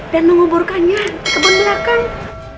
dan menguburkannya ke bunda belakang